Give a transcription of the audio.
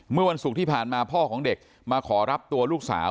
เมื่อวันศุกร์ที่ผ่านมาพ่อของเด็กมาขอรับตัวลูกสาว